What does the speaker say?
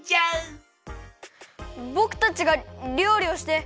ぼくたちがりょうりをして。